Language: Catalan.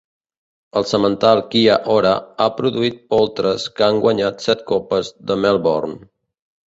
El semental Kia-Ora ha produït poltres que han guanyat set copes de Melbourne.